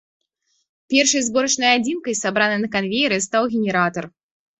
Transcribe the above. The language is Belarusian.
Першай зборачнай адзінкай, сабранай на канвееры, стаў генератар.